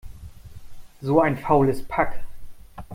So ein faules Pack!